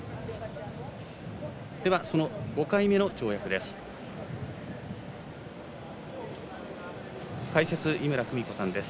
その５回目の跳躍です。